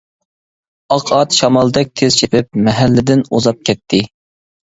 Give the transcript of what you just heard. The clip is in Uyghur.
ئاق ئات شامالدەك تېز چېپىپ مەھەللىدىن ئۇزاپ كەتتى.